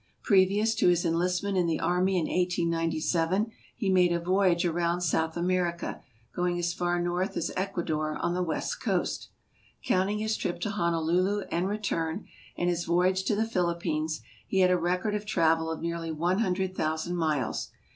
Previous to his enlistment in the army in 1897 he made a voyage around South America, going as far north as Eucador on the west coast. Counting his trip to Hono lulu and return and his voyage to the Philippines, he had a record of travel of nearly one hundred thousand miles.